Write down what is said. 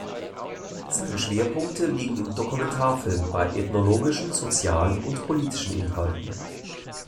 Seine Schwerpunkte liegen im Dokumentarfilm bei ethnologischen, sozialen und politischen Inhalten.